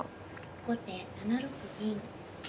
後手７六銀。